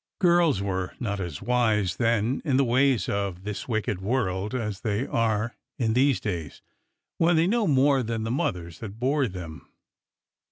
Girls were not as wise then in the ways of this wicked world as they are in these days, when they know more than the mothers that bore them.